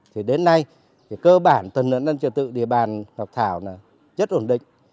thì đến nay cơ bản tầng nợn nâng trật tự địa bàn ngọc thảo rất ổn định